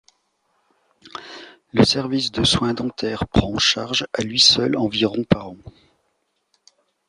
Le service de soins dentaires prend en charge à lui seul environ par an.